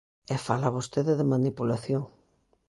¡E fala vostede de manipulación!